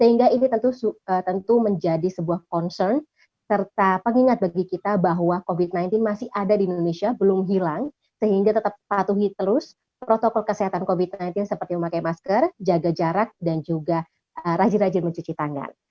nah pengingat bagi kita bahwa covid sembilan belas masih ada di indonesia belum hilang sehingga tetap patuhi terus protokol kesehatan covid sembilan belas seperti memakai masker jaga jarak dan juga rajin rajin mencuci tangan